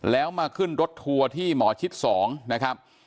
แล้วมาขึ้นรถทัวร์ที่หมอชิด๒นะครับ